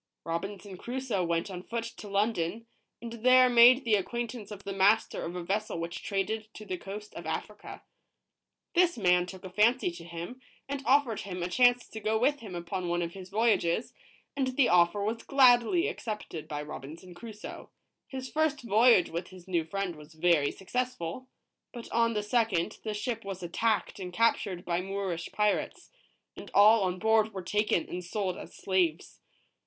Robinson Crusoe went on foot to London, and there made the acquaint ance of the master of a vessel which traded to the coast of Africa. This man took a fancy to him, and offered him a chance to go with him upon one of his voyages, and the offer was gladly accepted by Robinson Crusoe. H is first voyage with his new friend was very successful ; but on the second, the ship was attacked and captured by Moorish pirates, and all on board were taken and sold as slaves.